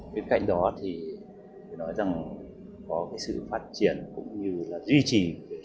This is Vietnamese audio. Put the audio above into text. bên cạnh đó thì phải nói rằng có sự phát triển cũng như là duy trì